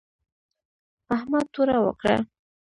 احمد توره وکړه